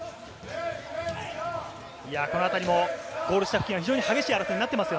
このあたりもゴール下付近は非常に激しい争いになっています。